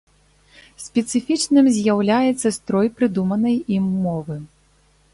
Спецыфічным з'яўляецца строй прыдуманай ім мовы.